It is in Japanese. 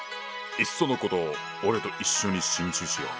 いっそのこと俺と一緒に心中しよう。